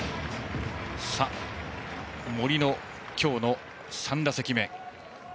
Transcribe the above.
森の今日の３打席目。